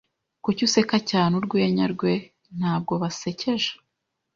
Kuki useka cyane urwenya rwe? Ntabwo basekeje.